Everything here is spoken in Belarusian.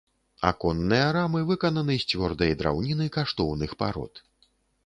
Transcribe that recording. Аконныя рамы выкананы з цвёрдай драўніны каштоўных парод.